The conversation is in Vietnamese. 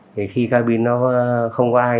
thì khi cabin nó không có ai